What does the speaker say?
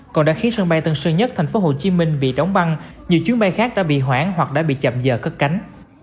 còn đã khiến sân bay tân sơ nhất thành phố hồ chí minh bị đóng băng nhiều chuyến bay khác đã bị hoãn hoặc đã bị chậm giờ cất cánh